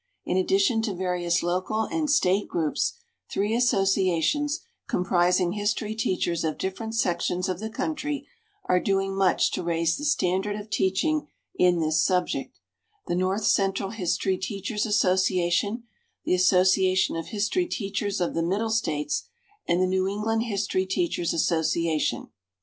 In addition to various local and State groups, three associations, comprising history teachers of different sections of the country, are doing much to raise the standard of teaching in this subject: The North Central History Teachers' Association, the Association of History Teachers of the Middle States, and the New England History Teachers' Association.